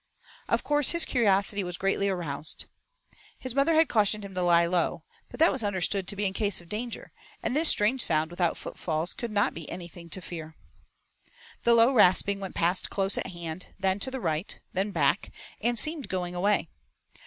Of course his curiosity was greatly aroused. His mother had cautioned him to lie low, but that was understood to be in case of danger, and this strange sound without footfalls could not be anything to fear. The low rasping went past close at hand, then to the right, then back, and seemed going away.